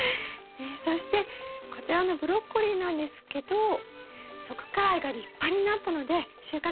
そしてこちらのブロッコリーなんですけど側花蕾が立派になったので収穫しました。